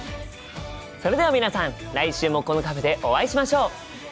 それでは皆さん来週もこのカフェでお会いしましょう！